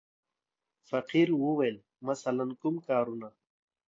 فقیر وویل: مثلاً کوم کارونه.